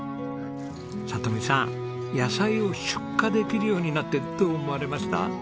里美さん野菜を出荷できるようになってどう思われました？